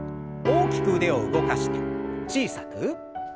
大きく腕を動かして小さく。